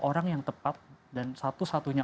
orang yang tepat dan satu satunya